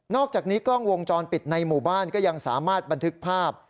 อกจากนี้กล้องวงจรปิดในหมู่บ้านก็ยังสามารถบันทึกภาพ